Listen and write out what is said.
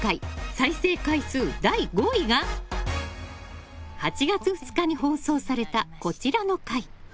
再生回数、第５位が８月２日に放送されたこちらの回。